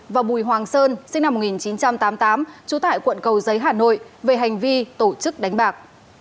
và bùi hoàng sơn sinh năm một nghìn chín trăm tám mươi tám trú tại quận cầu giấy hà nội về hành vi tổ chức đánh bạc